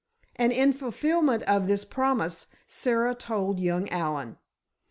And in fulfillment of this promise, Sara told young Allen.